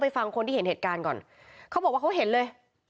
ฟังคนที่เห็นเหตุการณ์ก่อนเขาบอกว่าเขาเห็นเลย